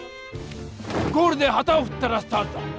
ゴールではたをふったらスタートだ！